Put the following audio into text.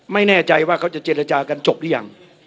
ไม่แน่ใจว่าเขาจะเจรจากันจบหรือยัง